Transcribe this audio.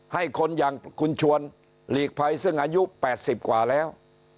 ให้คนอย่างคุณชวนหลีกภัยซึ่งอายุ๘๐กว่าแล้ว